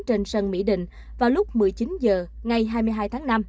trên sân mỹ đình vào lúc một mươi chín h ngày hai mươi hai tháng năm